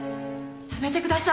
やめてください！